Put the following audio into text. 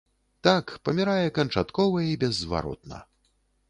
Так, памірае канчаткова і беззваротна.